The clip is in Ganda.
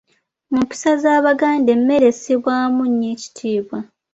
Mu mpisa z'Abaganda emmere essibwamu nnyo ekitiibwa.